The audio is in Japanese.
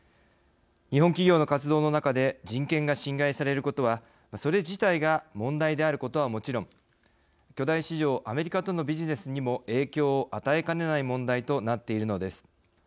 日本企業の活動の中で人権が侵害されることはそれ自体が問題であることはもちろん巨大市場アメリカとのビジネスにも影響を与えかねない問題となっているのです。